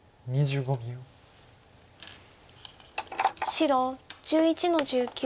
白１１の十九。